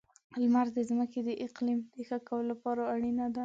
• لمر د ځمکې د اقلیم د ښه کولو لپاره اړینه ده.